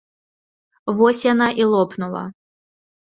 Вось яна і лопнула.